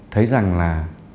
thấy rằng là